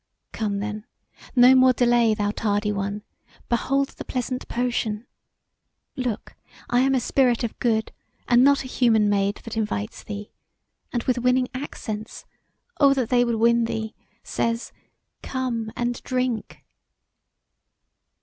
Come then, no more delay, thou tardy one! Behold the pleasant potion! Look, I am a spirit of good, and not a human maid that invites thee, and with winning accents, (oh, that they would win thee!) says, Come and drink."